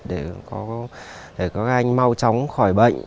để có các anh mau chóng khỏi bệnh